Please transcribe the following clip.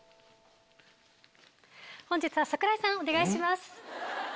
本日は櫻井さんお願いします。